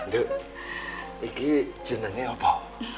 duduk ini jenengnya apa